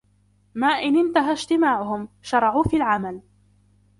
ما إن انتهى اجتماعهم ، شرعوا في العمل.